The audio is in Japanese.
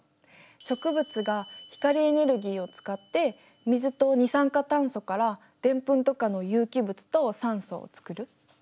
植物が光エネルギーを使って水と二酸化炭素からでんぷんとかの有機物と酸素をつくる。